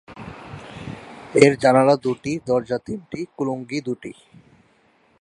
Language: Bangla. এর জানালা দুটি, দরজা তিনটি, কুলুঙ্গি দুটি।